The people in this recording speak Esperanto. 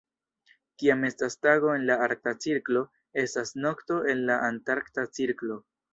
Kiam estas tago en la Arkta Cirklo estas nokto en la Antarkta Cirklo.